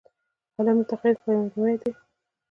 قلم د تخیل ښکارندوی دی